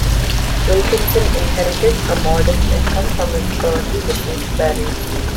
Wilkinson inherited a modest income from his early-deceased parents.